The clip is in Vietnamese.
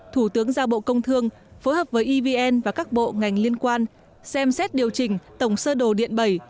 thủ tướng ra bộ công thương phối hợp với evn và các bộ ngành liên quan xem xét điều chỉnh tổng sơ đồ điện bảy